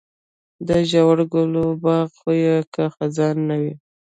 د ژړو ګلو باغ خو یې که خزان نه وي.